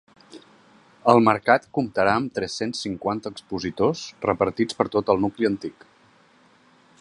El mercat comptarà amb tres-cents cinquanta expositors repartits per tot el nucli antic.